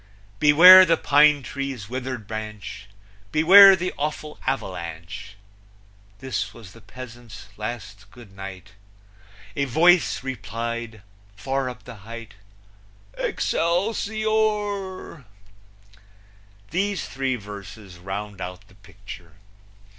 "Beware the pine tree's withered branch! Beware the awful avalanche!" This was the peasant's last Good night; A voice replied, far up the height, Excelsior! These three verses round out the picture.